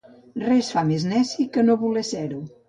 Res fa més neci que no voler ser-ho.